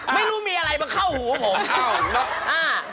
ไม่รู้มีอะไรมาเข้าหูผม